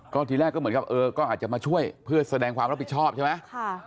ก็ทีแรกก็เหมือนกับเออก็อาจจะมาช่วยเพื่อแสดงความรับผิดชอบใช่ไหม